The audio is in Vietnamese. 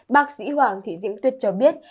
bác sĩ hoàng thị diễm tuyết cho biết